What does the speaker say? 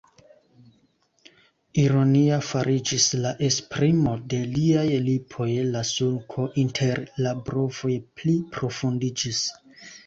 Ironia fariĝis la esprimo de liaj lipoj, la sulko inter la brovoj pli profundiĝis.